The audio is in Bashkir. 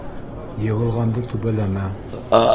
Йығылғанды түбәләмә.